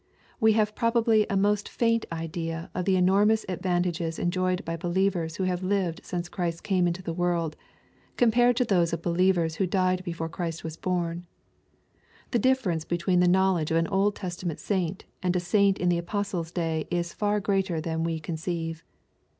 We have probably a most faint idea of the enormous advan tages enjoyed by believers who have lived since Christ came into the world, compared to those orbelievers who died before Christ was bom. The difference between the knowledge of an Old Testament saint and a saint in the apostles' days is far greater than we conceive.